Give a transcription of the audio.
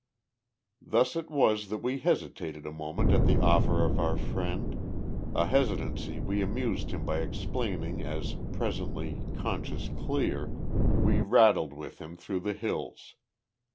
Thus it was that we hesitated a moment at the offer of our friend, a hesitancy we amused him by explaining as, presently, conscience clear, we rattled with him through the hills.